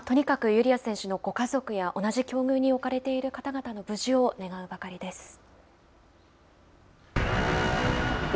今は、とにかくユリア選手のご家族や同じ境遇に置かれている方の無事を願うばかりです。